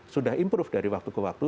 sudah improve dari waktu ke waktu